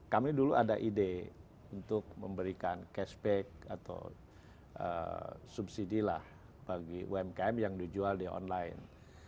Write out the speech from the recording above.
kami dulu ada ide untuk memberikan cashback atau subsidi lah bagi umkm yang dijual di online